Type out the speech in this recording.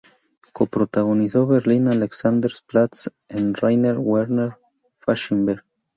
Co-protagonizó "Berlin Alexanderplatz", de Rainer Werner Fassbinder.